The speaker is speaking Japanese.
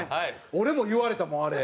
俺も言われたもんあれ。